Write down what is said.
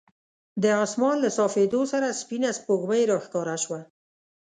د اسمان له صافېدو سره سپینه سپوږمۍ راښکاره شوه.